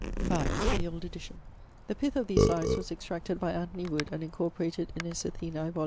V. THE OLD EDITION. The pith of these lives was extracted by Anthony Wood, and incorporated in his Athenae, vol.